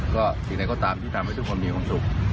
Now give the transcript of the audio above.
ก็สิ่งใดก็ตามที่ทำให้ทุกคนมีความสุข